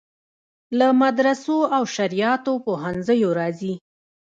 له مدرسو او شرعیاتو پوهنځیو راځي.